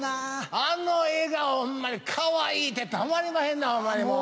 あの笑顔ホンマにかわいいてたまりまへんなホンマにもう。